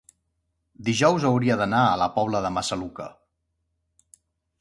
dijous hauria d'anar a la Pobla de Massaluca.